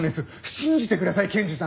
信じてください検事さん。